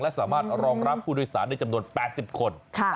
และสามารถรองรับผู้โดยสารได้จำนวน๘๐คน